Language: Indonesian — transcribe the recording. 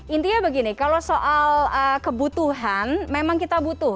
intinya begini kalau soal kebutuhan memang kita butuh